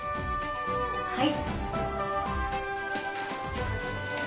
はい。